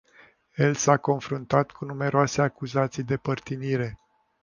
El s-a confruntat cu numeroase acuzații de părtinire.